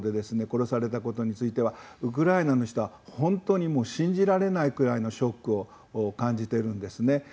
殺されたことについてはウクライナの人は本当に信じられないくらいのショックを感じているんですね。